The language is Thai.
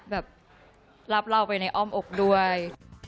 แบบรับเราไปในอ้อมอกด้วย